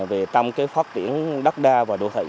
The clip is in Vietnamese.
về trong cái phát triển đất đai và đô thị